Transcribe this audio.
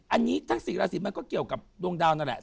อันนี้ทั้ง๔ราศีมันก็เกี่ยวกับดวงดาวนั่นแหละ